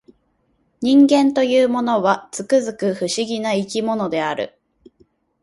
人間というものは、つくづく不思議な生き物である